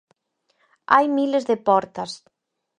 Hai miles de portas.